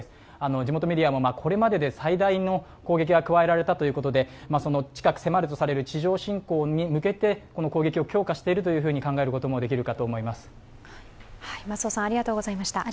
地元メディアもこれまでで最大の攻撃が加えられたということで近く迫るとされる地上侵攻に向けて攻撃を強化していると考えることもできるかと思います。